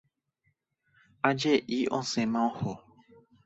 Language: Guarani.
Aje'i osẽma oho.